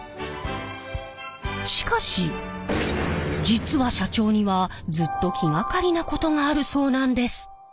しかし実は社長にはずっと気がかりなことがあるそうなんです。